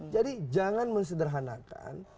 jadi jangan mensederhanakan